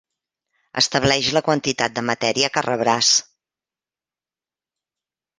Estableix la quantitat de matèria que rebràs.